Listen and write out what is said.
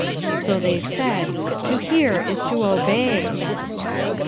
So they said, 'To hear is to obey.'